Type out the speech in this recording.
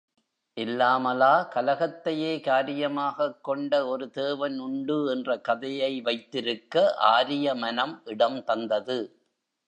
இல்லாமலா கலகத்தையே காரியமாகக் கொண்ட ஒரு தேவன் உண்டு என்ற கதையை வைத்திருக்க ஆரிய மனம் இடம் தந்தது?